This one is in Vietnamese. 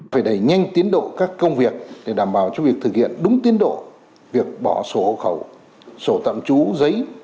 phải đẩy nhanh tiến độ các công việc để đảm bảo cho việc thực hiện đúng tiến độ việc bỏ sổ hộ khẩu sổ tạm trú giấy